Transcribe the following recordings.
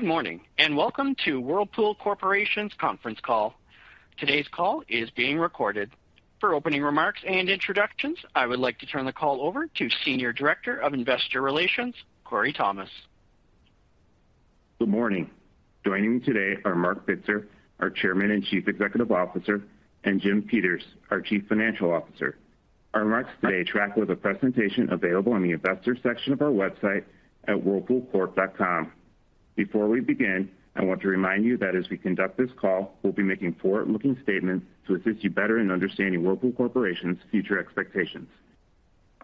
Good morning, and welcome to Whirlpool Corporation's conference call. Today's call is being recorded. For opening remarks and introductions, I would like to turn the call over to Senior Director of Investor Relations, Korey Thomas. Good morning. Joining me today are Marc Bitzer, our Chairman and Chief Executive Officer, and Jim Peters, our Chief Financial Officer. Our remarks today track with a presentation available on the investor section of our website at WhirlpoolCorp.com. Before we begin, I want to remind you that as we conduct this call, we'll be making forward-looking statements to assist you better in understanding Whirlpool Corporation's future expectations.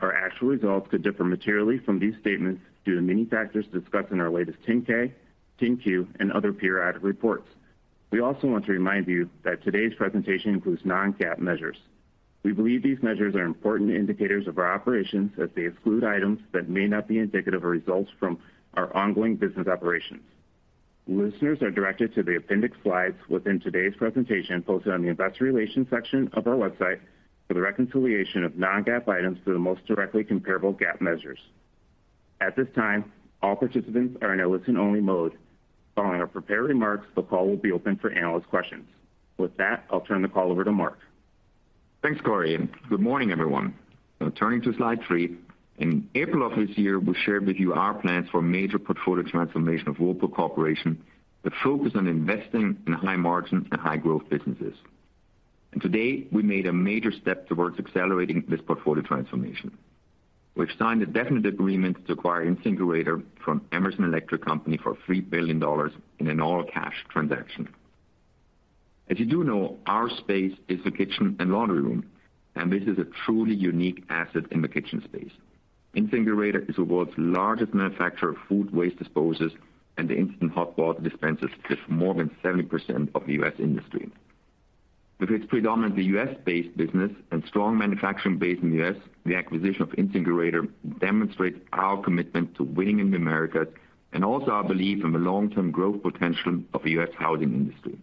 Our actual results could differ materially from these statements due to many factors discussed in our latest 10-K, 10-Q, and other periodic reports. We also want to remind you that today's presentation includes non-GAAP measures. We believe these measures are important indicators of our operations, as they exclude items that may not be indicative of results from our ongoing business operations. Listeners are directed to the appendix slides within today's presentation, posted on the investor relations section of our website for the reconciliation of non-GAAP items to the most directly comparable GAAP measures. At this time, all participants are in a listen-only mode. Following our prepared remarks, the call will be open for analyst questions. With that, I'll turn the call over to Marc. Thanks, Korey, and good morning, everyone. Now turning to slide 3. In April of this year, we shared with you our plans for major portfolio transformation of Whirlpool Corporation that focus on investing in high margin and high growth businesses. Today we made a major step towards accelerating this portfolio transformation. We've signed a definitive agreement to acquire InSinkErator from Emerson Electric Co. for $3 billion in an all-cash transaction. As you do know, our space is the kitchen and laundry room, and this is a truly unique asset in the kitchen space. InSinkErator is the world's largest manufacturer of food waste disposers and instant hot water dispensers, with more than 70% of the U.S. industry. With its predominantly U.S.-based business and strong manufacturing base in the U.S., the acquisition of InSinkErator demonstrates our commitment to winning in the Americas and also our belief in the long-term growth potential of the U.S. housing industry.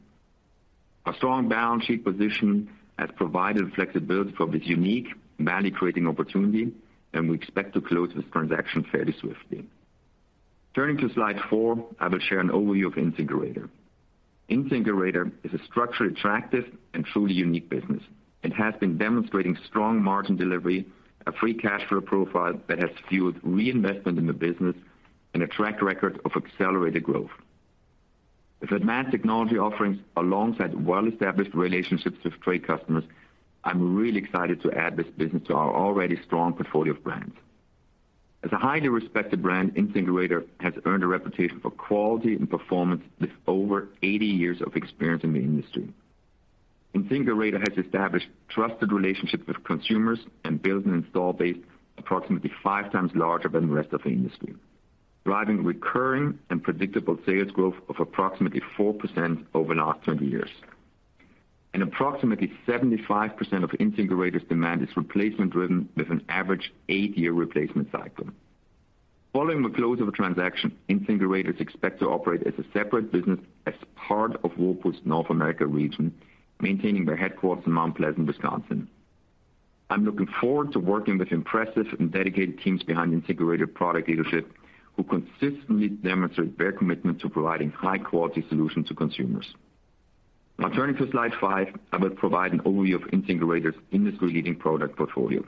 Our strong balance sheet position has provided flexibility for this unique value-creating opportunity, and we expect to close this transaction fairly swiftly. Turning to slide 4, I will share an overview of InSinkErator. InSinkErator is a structurally attractive and truly unique business. It has been demonstrating strong margin delivery, a free cash flow profile that has fueled reinvestment in the business, and a track record of accelerated growth. With advanced technology offerings alongside well-established relationships with trade customers, I'm really excited to add this business to our already strong portfolio of brands. As a highly respected brand, InSinkErator has earned a reputation for quality and performance with over 80 years of experience in the industry. InSinkErator has established trusted relationships with consumers and built an install base approximately 5 times larger than the rest of the industry, driving recurring and predictable sales growth of approximately 4% over the last 20 years. Approximately 75% of InSinkErator's demand is replacement driven, with an average 8-year replacement cycle. Following the close of a transaction, InSinkErator is expected to operate as a separate business as part of Whirlpool's North America region, maintaining their headquarters in Mount Pleasant, Wisconsin. I'm looking forward to working with impressive and dedicated teams behind InSinkErator product leadership, who consistently demonstrate their commitment to providing high-quality solutions to consumers. Now turning to slide 5, I will provide an overview of InSinkErator's industry-leading product portfolio.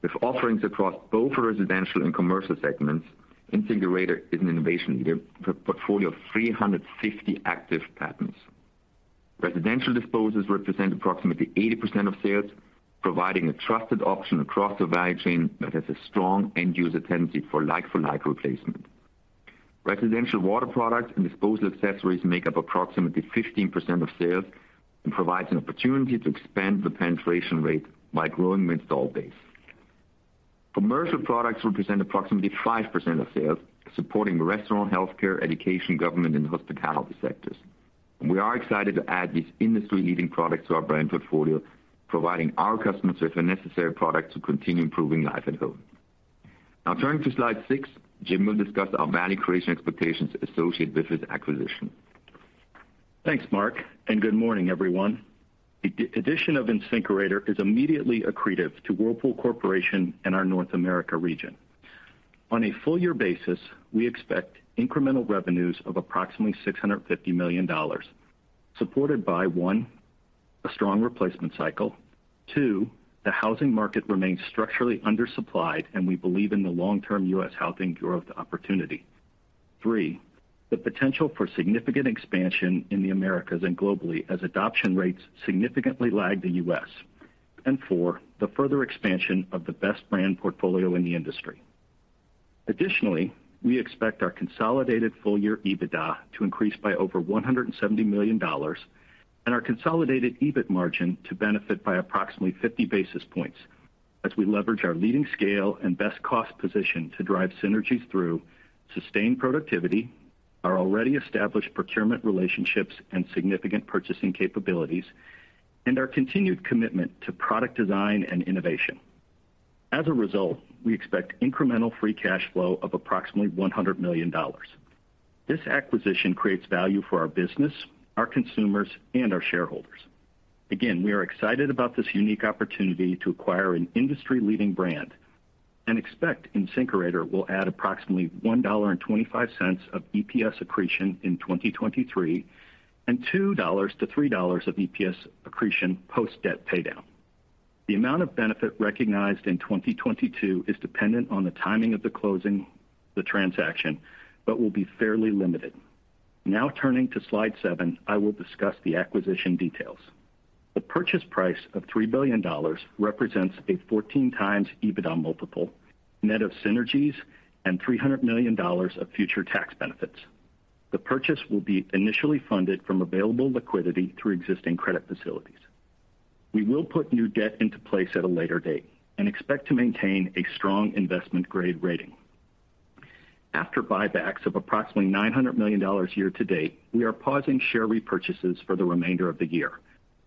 With offerings across both residential and commercial segments, InSinkErator is an innovation leader with a portfolio of 350 active patents. Residential disposers represent approximately 80% of sales, providing a trusted option across the value chain that has a strong end user tendency for like for like replacement. Residential water products and disposal accessories make up approximately 15% of sales and provides an opportunity to expand the penetration rate by growing the install base. Commercial products represent approximately 5% of sales, supporting restaurant, healthcare, education, government and hospitality sectors. We are excited to add these industry-leading products to our brand portfolio, providing our customers with the necessary products to continue improving life at home. Now turning to slide 6, Jim will discuss our value creation expectations associated with this acquisition. Thanks, Marc, and good morning, everyone. The addition of InSinkErator is immediately accretive to Whirlpool Corporation and our North America region. On a full year basis, we expect incremental revenues of approximately $650 million, supported by, one, a strong replacement cycle. Two, the housing market remains structurally undersupplied, and we believe in the long-term U.S. housing growth opportunity. Three, the potential for significant expansion in the Americas and globally as adoption rates significantly lag the U.S. Four, the further expansion of the best brand portfolio in the industry. Additionally, we expect our consolidated full-year EBITDA to increase by over $170 million and our consolidated EBIT margin to benefit by approximately 50 basis points as we leverage our leading scale and best cost position to drive synergies through sustained productivity, our already established procurement relationships and significant purchasing capabilities, and our continued commitment to product design and innovation. As a result, we expect incremental free cash flow of approximately $100 million. This acquisition creates value for our business, our consumers, and our shareholders. Again, we are excited about this unique opportunity to acquire an industry-leading brand. Expect InSinkErator will add approximately $1.25 of EPS accretion in 2023, and $2-$3 of EPS accretion post-debt pay down. The amount of benefit recognized in 2022 is dependent on the timing of the closing of the transaction, but will be fairly limited. Now turning to slide 7, I will discuss the acquisition details. The purchase price of $3 billion represents a 14x EBITDA multiple, net of synergies and $300 million of future tax benefits. The purchase will be initially funded from available liquidity through existing credit facilities. We will put new debt into place at a later date and expect to maintain a strong investment grade rating. After buybacks of approximately $900 million year-to-date, we are pausing share repurchases for the remainder of the year.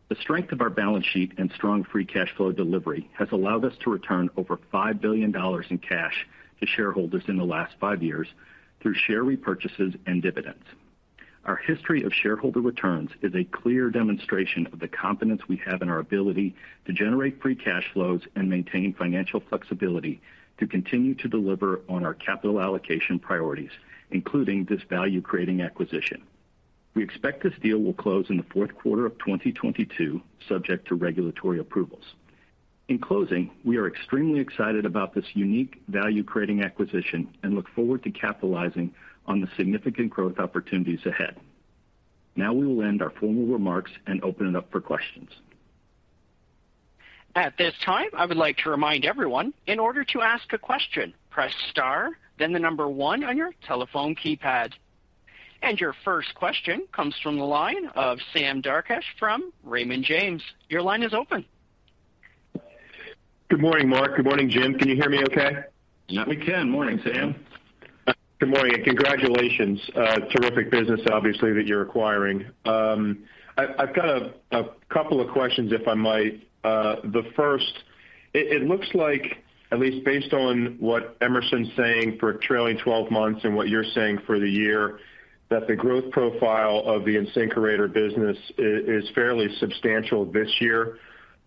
The strength of our balance sheet and strong free cash flow delivery has allowed us to return over $5 billion in cash to shareholders in the last 5 years through share repurchases and dividends. Our history of shareholder returns is a clear demonstration of the confidence we have in our ability to generate free cash flows and maintain financial flexibility to continue to deliver on our capital allocation priorities, including this value-creating acquisition. We expect this deal will close in the fourth quarter of 2022, subject to regulatory approvals. In closing, we are extremely excited about this unique value-creating acquisition and look forward to capitalizing on the significant growth opportunities ahead. Now we will end our formal remarks and open it up for questions. At this time, I would like to remind everyone, in order to ask a question, press star then the number 1 on your telephone keypad. Your first question comes from the line of Sam Darkatsh from Raymond James. Your line is open. Good morning, Marc. Good morning, Jim. Can you hear me okay? Yeah, we can. Morning, Sam. Good morning, congratulations. Terrific business, obviously, that you're acquiring. I've got a couple of questions, if I might. The first, it looks like at least based on what Emerson's saying for trailing twelve months and what you're saying for the year, that the growth profile of the InSinkErator business is fairly substantial this year.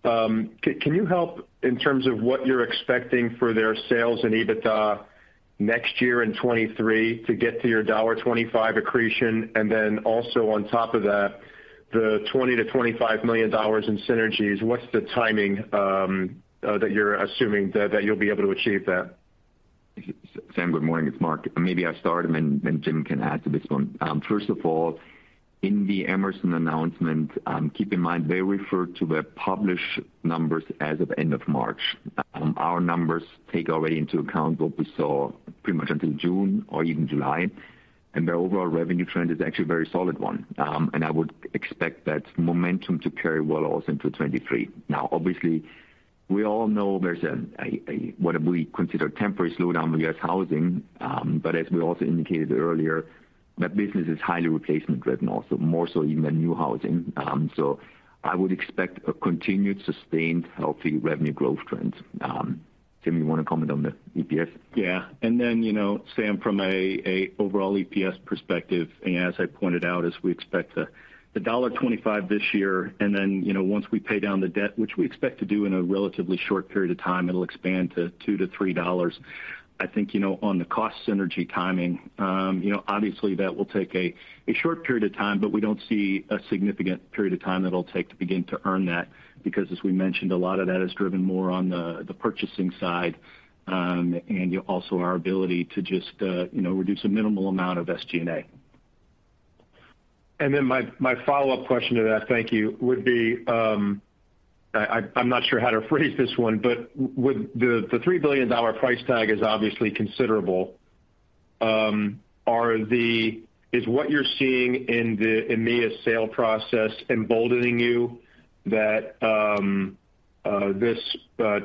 Can you help in terms of what you're expecting for their sales and EBITDA next year in 2023 to get to your $25 accretion, and then also on top of that, the $20-$25 million in synergies, what's the timing that you're assuming that you'll be able to achieve that? Sam, good morning. It's Marc. Maybe I'll start and then Jim can add to this one. First of all, in the Emerson announcement, keep in mind they refer to the published numbers as of end of March. Our numbers take already into account what we saw pretty much until June or even July, and their overall revenue trend is actually a very solid one. I would expect that momentum to carry well also into 2023. Now, obviously, we all know there's a what we consider temporary slowdown in U.S. housing, but as we also indicated earlier, that business is highly replacement driven also, more so even than new housing. So I would expect a continued sustained healthy revenue growth trend. Jim, you wanna comment on the EPS? Yeah. You know, Sam, from a overall EPS perspective, as I pointed out, we expect $1.25 this year, and then, you know, once we pay down the debt, which we expect to do in a relatively short period of time, it'll expand to $2-$3. I think, you know, on the cost synergy timing, you know, obviously that will take a short period of time, but we don't see a significant period of time that it'll take to begin to earn that because as we mentioned, a lot of that is driven more on the purchasing side, and also our ability to just, you know, reduce a minimal amount of SG&A. My follow-up question to that, thank you, would be, I'm not sure how to phrase this one, but would the $3 billion price tag is obviously considerable. Is what you're seeing in the EMEA sale process emboldening you that this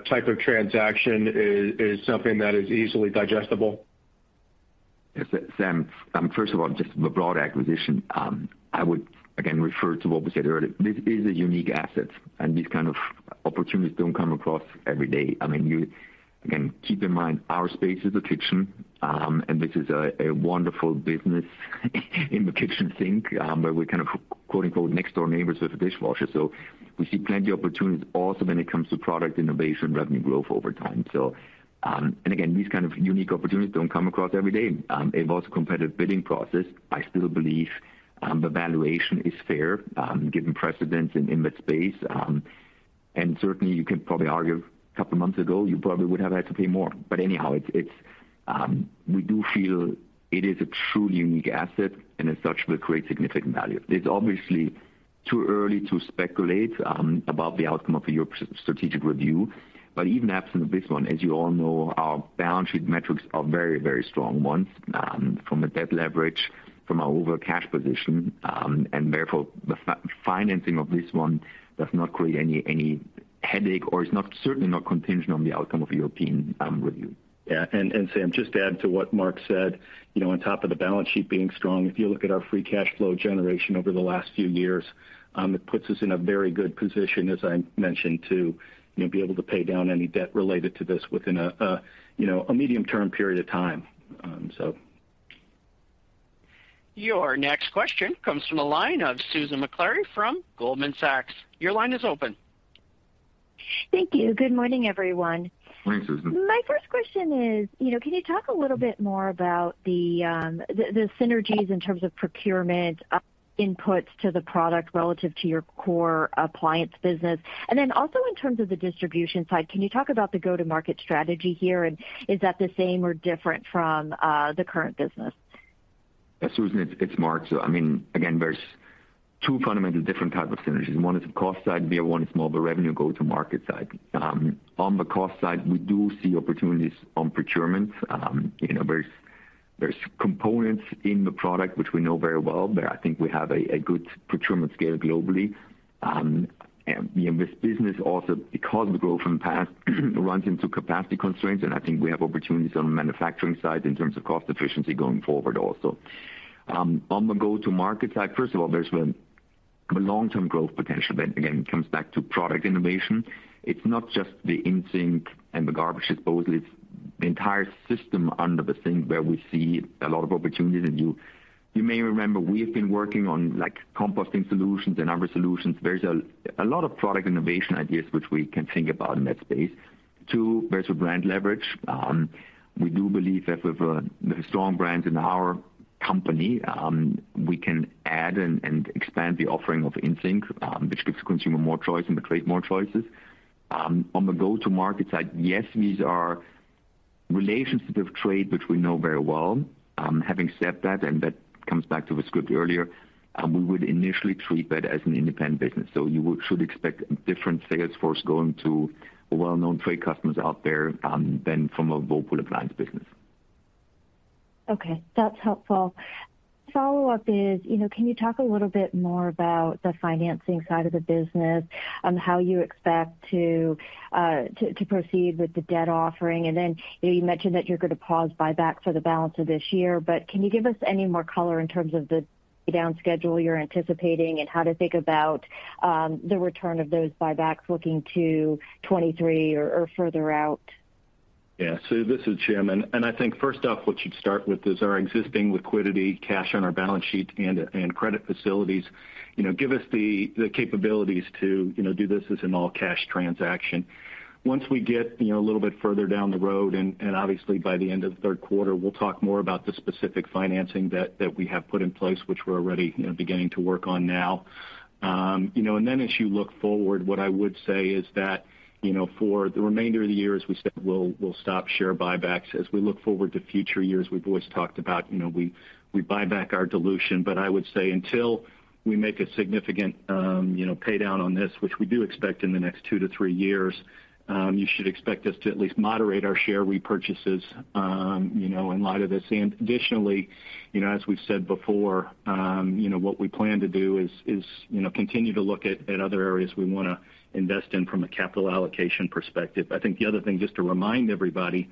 type of transaction is something that is easily digestible? Yes. Sam, first of all, just the broad acquisition. I would, again, refer to what we said earlier. This is a unique asset, and these kind of opportunities don't come across every day. I mean, you, again, keep in mind our space is the kitchen, and this is a wonderful business in the kitchen sink, where we're kind of quote-unquote next door neighbors with a dishwasher. We see plenty opportunities also when it comes to product innovation, revenue growth over time. Again, these kind of unique opportunities don't come across every day. It was a competitive bidding process. I still believe the valuation is fair, given precedents in that space. Certainly you can probably argue a couple months ago, you probably would have had to pay more. Anyhow, it's we do feel it is a truly unique asset and as such will create significant value. It's obviously too early to speculate about the outcome of the European strategic review. Even absent this one, as you all know, our balance sheet metrics are very, very strong ones from a debt leverage, from our overall cash position, and therefore the financing of this one does not create any headache or is not, certainly not contingent on the outcome of European review. Sam, just to add to what Marc said, you know, on top of the balance sheet being strong, if you look at our free cash flow generation over the last few years, it puts us in a very good position, as I mentioned, to, you know, be able to pay down any debt related to this within a, you know, a medium-term period of time. Your next question comes from the line of Susan Maklari from Goldman Sachs. Your line is open. Thank you. Good morning, everyone. Morning, Susan. My first question is, you know, can you talk a little bit more about the synergies in terms of procurement inputs to the product relative to your core appliance business? In terms of the distribution side, can you talk about the go-to-market strategy here? Is that the same or different from the current business? Yeah, Susan, it's Marc. I mean, again, there's two fundamentally different type of synergies. One is the cost side, the other one is more of a revenue go-to-market side. On the cost side, we do see opportunities on procurement. You know there's components in the product which we know very well, where I think we have a good procurement scale globally. And this business also, because of the growth in the past, runs into capacity constraints, and I think we have opportunities on the manufacturing side in terms of cost efficiency going forward also. On the go-to-market side, first of all, there's the long-term growth potential. That, again, comes back to product innovation. It's not just the InSinkErator and the garbage disposal, it's the entire system under the sink where we see a lot of opportunities. You may remember we have been working on, like, composting solutions and other solutions. There's a lot of product innovation ideas which we can think about in that space. Two, there's the brand leverage. We do believe that with the strong brands in our company, we can add and expand the offering of InSinkErator, which gives the consumer more choice and the trade more choices. On the go-to-market side, yes, these are relationships with trade which we know very well. Having said that, and that comes back to what Scott said earlier, we would initially treat that as an independent business. So you should expect a different sales force going to the well-known trade customers out there, than from a Whirlpool appliance business. Okay, that's helpful. Follow-up is, you know, can you talk a little bit more about the financing side of the business on how you expect to proceed with the debt offering? You know, you mentioned that you're gonna pause buybacks for the balance of this year, but can you give us any more color in terms of the down schedule you're anticipating and how to think about the return of those buybacks looking to 2023 or further out? Yeah. Sue, this is Jim. I think first off, what you'd start with is our existing liquidity, cash on our balance sheet and credit facilities, you know, give us the capabilities to, you know, do this as an all-cash transaction. Once we get, you know, a little bit further down the road, and obviously by the end of the third quarter, we'll talk more about the specific financing that we have put in place, which we're already, you know, beginning to work on now. You know, as you look forward, what I would say is that, you know, for the remainder of the year, as we said, we'll stop share buybacks. As we look forward to future years, we've always talked about, you know, we buy back our dilution. I would say until we make a significant, you know, paydown on this, which we do expect in the next 2 to 3 years, you should expect us to at least moderate our share repurchases, you know, in light of this. Additionally, you know, as we've said before, you know, what we plan to do is continue to look at other areas we wanna invest in from a capital allocation perspective. I think the other thing, just to remind everybody,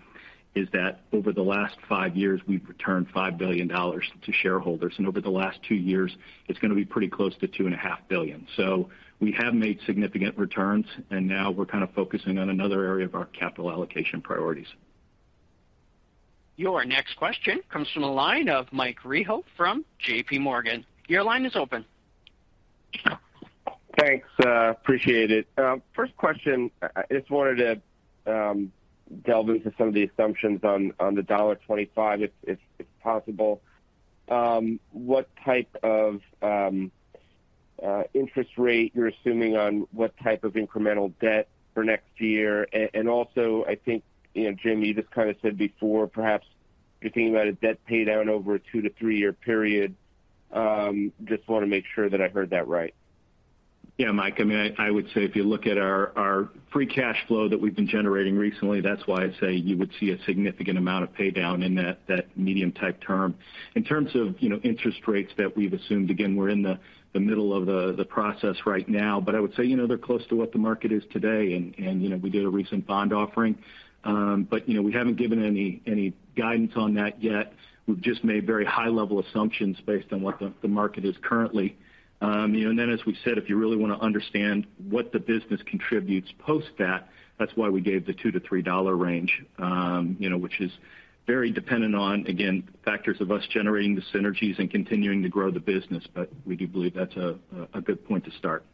is that over the last 5 years, we've returned $5 billion to shareholders, and over the last 2 years, it's gonna be pretty close to $2.5 billion. We have made significant returns, and now we're kind of focusing on another area of our capital allocation priorities. Your next question comes from the line of Michael Rehaut from JP Morgan. Your line is open. Thanks, appreciate it. First question, I just wanted to delve into some of the assumptions on the $25 if possible. What type of interest rate you're assuming on what type of incremental debt for next year? And also I think, you know, Jim, you just kind of said before, perhaps you're thinking about a debt paydown over a 2- to 3-year period. Just wanna make sure that I heard that right. Yeah, Mike. I mean, I would say if you look at our free cash flow that we've been generating recently, that's why I'd say you would see a significant amount of paydown in that medium type term. In terms of, you know, interest rates that we've assumed, again, we're in the middle of the process right now, but I would say, you know, they're close to what the market is today and you know, we did a recent bond offering. But you know, we haven't given any guidance on that yet. We've just made very high level assumptions based on what the market is currently. You know, as we've said, if you really wanna understand what the business contributes post that's why we gave the $2-$3 range, you know, which is very dependent on, again, factors of us generating the synergies and continuing to grow the business. We do believe that's a good point to start.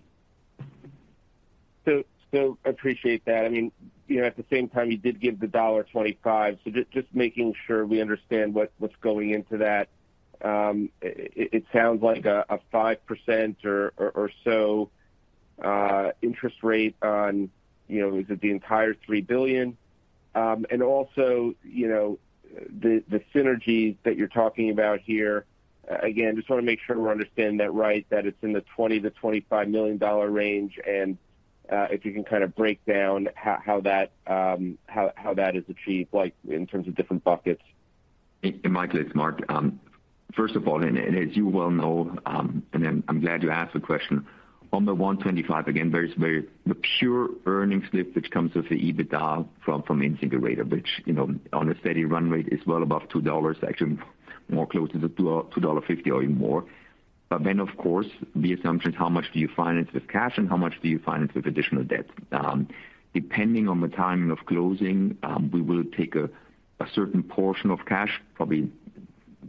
Appreciate that. At the same time, you did give the $1.25, so just making sure we understand what's going into that. It sounds like a 5% or so interest rate on, is it the entire $3 billion? Also, the synergies that you're talking about here, again, just wanna make sure we understand that right, that it's in the $20-$25 million range, and if you can kind of break down how that is achieved, like in terms of different buckets. Mike, it's Marc. First of all, and as you well know, and then I'm glad you asked the question. On the 1.25, again, there's the pure earnings lift, which comes with the EBITDA from InSinkErator, which, you know, on a steady run rate is well above $2, actually more close to the $2.50 or even more. Of course, the assumption is how much do you finance with cash and how much do you finance with additional debt? Depending on the timing of closing, we will take a certain portion of cash, probably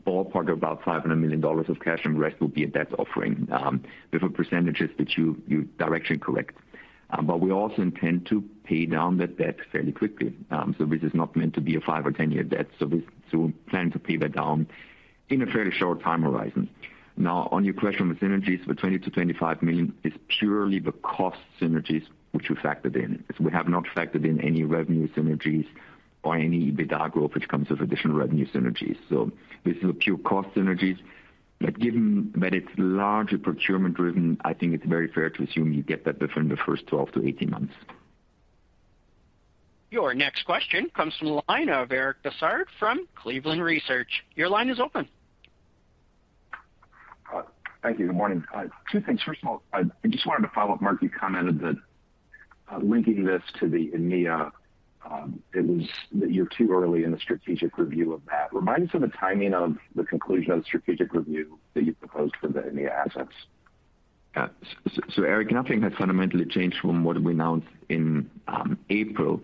ballpark of about $500 million of cash, and the rest will be a debt offering, with percentages that you directed, correct. But we also intend to pay down that debt fairly quickly. This is not meant to be a 5- or 10-year debt, so we plan to pay that down in a fairly short time horizon. Now, on your question on the synergies, the $20 million-$25 million is purely the cost synergies which we factored in. We have not factored in any revenue synergies or any EBITDA growth which comes with additional revenue synergies. This is a pure cost synergies. Given that it's largely procurement driven, I think it's very fair to assume you get that within the first 12-18 months. Your next question comes from the line of Eric Bosshard from Cleveland Research. Your line is open. Thank you. Good morning. Two things. First of all, I just wanted to follow up, Marc, you commented that linking this to the EMEA, it was that you're too early in the strategic review of that. Remind us of the timing of the conclusion of the strategic review that you proposed for the EMEA assets. Yeah. Eric, nothing has fundamentally changed from what we announced in April.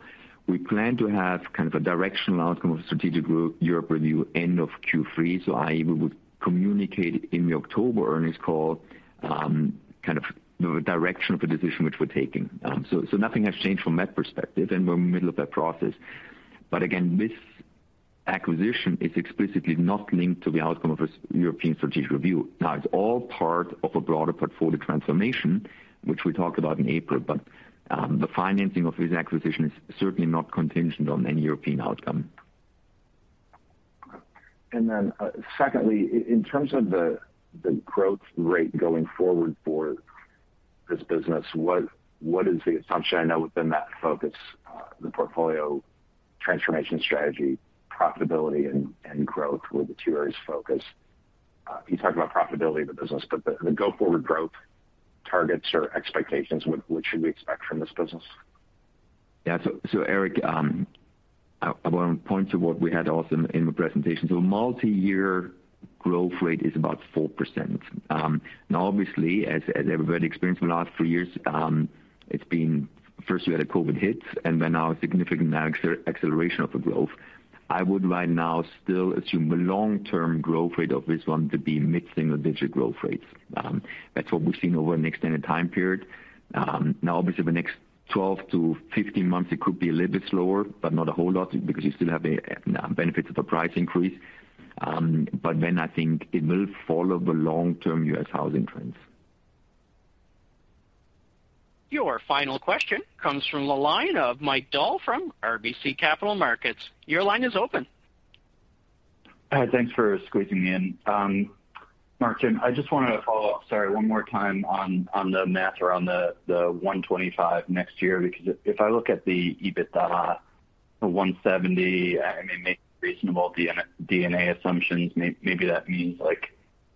We plan to have kind of a directional outcome of strategic group Europe review end of Q3, i.e., we would communicate in the October earnings call kind of the direction of the decision which we're taking. Nothing has changed from that perspective, and we're in the middle of that process. Again, this acquisition is explicitly not linked to the outcome of a European strategic review. It's all part of a broader portfolio transformation, which we talked about in April, but the financing of this acquisition is certainly not contingent on any European outcome. Secondly, in terms of the growth rate going forward for this business, what is the assumption? I know within that focus, the portfolio transformation strategy, profitability and growth were the two areas of focus. You talked about profitability of the business, but the go forward growth targets or expectations, what should we expect from this business? Eric, I wanna point to what we had also in the presentation. Multi-year growth rate is about 4%. Now obviously as everybody experienced in the last three years, it's been first we had a COVID hit and by now a significant acceleration of the growth. I would right now still assume a long-term growth rate of this one to be mid-single-digit growth rates. That's what we've seen over an extended time period. Now obviously the next 12-15 months, it could be a little bit slower, but not a whole lot because you still have the benefits of the price increase. Then I think it will follow the long-term U.S. housing trends. Your final question comes from the line of Michael Dahl from RBC Capital Markets. Your line is open. Thanks for squeezing me in. Marc, Jim, I just wanna follow up, sorry, one more time on the math around the 125 next year, because if I look at the EBITDA of $170, I mean, making reasonable D&A assumptions, maybe that means like,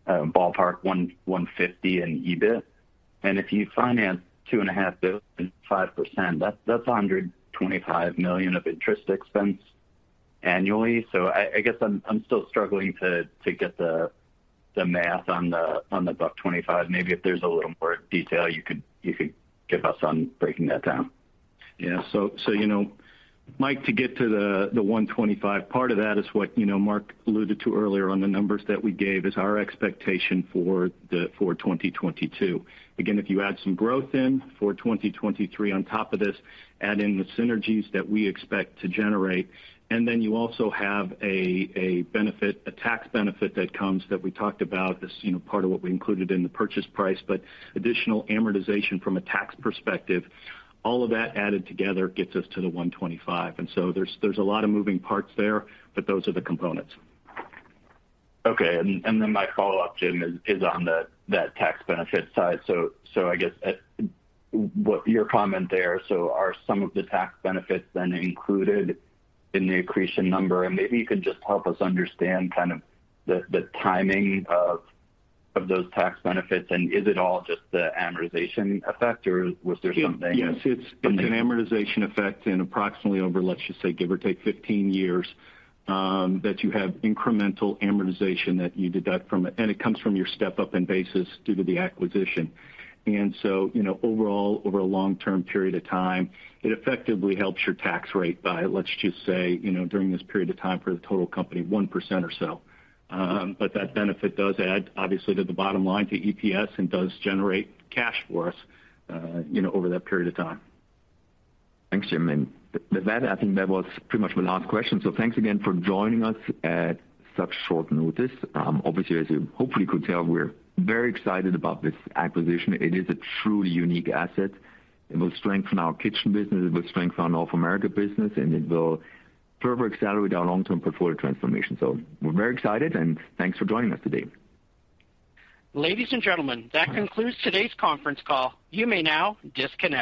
ballpark $150 in EBIT. If you finance $2.5 billion, 5%, that's $125 million of interest expense annually. I guess I'm still struggling to get the math on the buck 125. Maybe if there's a little more detail you could give us on breaking that down. Yeah. You know, Mike, to get to the 125, part of that is what you know, Mark alluded to earlier on the numbers that we gave is our expectation for 2022. Again, if you add some growth in for 2023 on top of this, add in the synergies that we expect to generate, and then you also have a benefit, a tax benefit that comes that we talked about as you know, part of what we included in the purchase price, but additional amortization from a tax perspective. All of that added together gets us to the 125. There's a lot of moving parts there, but those are the components. Okay. Then my follow-up, Jim, is on that tax benefit side. I guess what your comment there, so are some of the tax benefits then included in the accretion number? Maybe you can just help us understand kind of the timing of those tax benefits. Is it all just the amortization effect or was there something? Yes, it's an amortization effect and approximately over, let's just say, give or take 15 years, that you have incremental amortization that you deduct from it, and it comes from your step-up in basis due to the acquisition. You know, overall, over a long-term period of time, it effectively helps your tax rate by, let's just say, you know, during this period of time for the total company, 1% or so. That benefit does add obviously to the bottom line to EPS and does generate cash for us, you know, over that period of time. Thanks, Jim. With that, I think that was pretty much my last question. Thanks again for joining us at such short notice. Obviously, as you hopefully could tell, we're very excited about this acquisition. It is a truly unique asset. It will strengthen our kitchen business, it will strengthen our North America business, and it will further accelerate our long-term portfolio transformation. We're very excited and thanks for joining us today. Ladies and gentlemen, that concludes today's conference call. You may now disconnect.